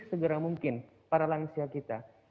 segera mungkin para lansia kita